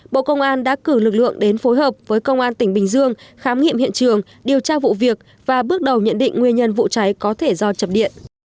bộ công an đã cử lực lượng đến phối hợp với công an tỉnh bình dương khám nghiệm hiện trường điều tra vụ việc và bước đầu nhận định nguyên nhân vụ cháy có thể do chập điện